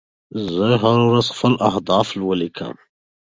زه هره ورځ خپل اهداف ولیکم.